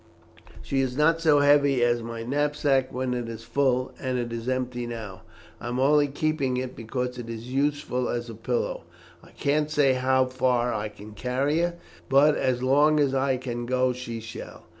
"She is not so heavy as my knapsack when it is full, and it is empty now; I am only keeping it because it is useful as a pillow. I can't say how far I can carry her, but as long as I can go she shall.